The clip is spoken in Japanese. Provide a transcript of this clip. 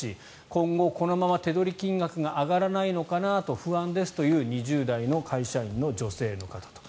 今後、このまま手取り金額が上がらないのかなと不安ですという２０代の会社員の女性の方と。